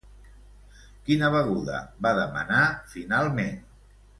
Quina beguda va demanar finalment?